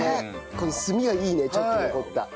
この炭がいいねちょっと残った。